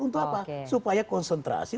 untuk apa supaya konsentrasi